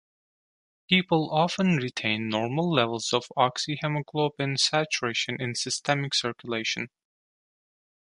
People often retain normal levels of oxyhemoglobin saturation in systemic circulation.